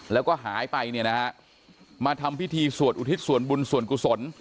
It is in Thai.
แล้วก็หายไปเนี่ยนะฮะมาทำพิธีสวดอุทิศส่วนบุญส่วนกุศล